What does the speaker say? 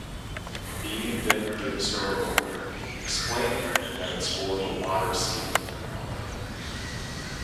Bean then gives her a rope, explaining that it's for the water skiing finale.